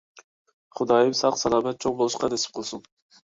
خۇدايىم ساق-سالامەت چوڭ بولۇشقا نېسىپ قىلسۇن.